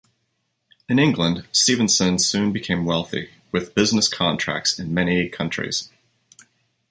In England, Stephenson soon became wealthy, with business contacts in many countries.